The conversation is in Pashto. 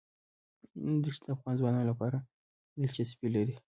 دښتې د افغان ځوانانو لپاره دلچسپي لري.